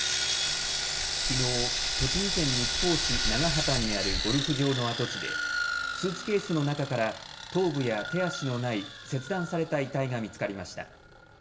きのう栃木県日光市長畑にあるゴルフ場の跡地でスーツケースの中から頭部や手足のない、切断された遺体が見つかりました。